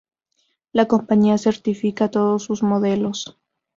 La compañía certifica todos sus modelos.